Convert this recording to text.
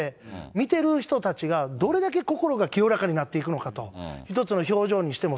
見てる人たちがどれだけ心が清らかになっていくのかと、一つの表情にしても、